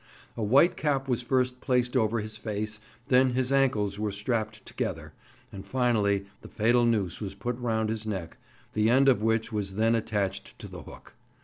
A white cap was first placed over his face, then his ankles were strapped together, and finally the fatal noose was put round his neck, the end of which was then attached to the hook.